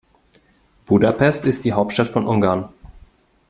Budapest ist die Hauptstadt von Ungarn.